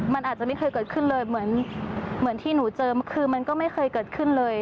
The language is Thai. มันอาจจะไม่เคยเกิดขึ้นเลยเหมือนที่หนูเจอคือมันก็ไม่เคยเกิดขึ้นเลย